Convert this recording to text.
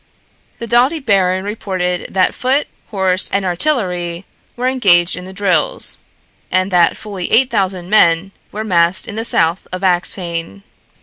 The doughty baron reported that foot, horse and artillery were engaged in the drills, and that fully 8,000 men were massed in the south of Axphain.